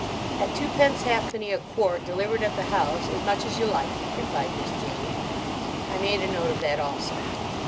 "At twopence halfpenny a quart, delivered at the house, as much as you like," replied Miss Janie. I made a note of that also.